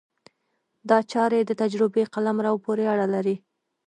دا چارې د تجربې قلمرو پورې اړه لري.